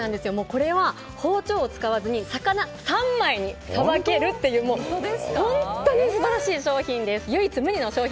これは包丁を使わずに魚、三枚にさばけるという本当に素晴らしい商品です。